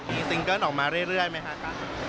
มีซิงเกิ้ลออกมาเรื่อยไหมคะ